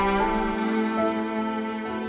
tante aku ingin tahu